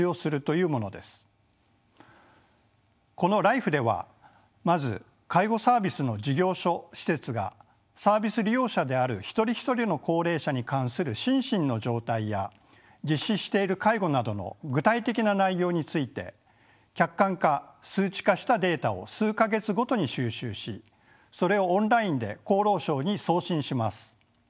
このＬＩＦＥではまず介護サービスの事業所・施設がサービス利用者である一人一人の高齢者に関する心身の状態や実施している介護などの具体的な内容について客観化数値化したデータを数か月ごとに収集しそれをオンラインで厚労省に送信します。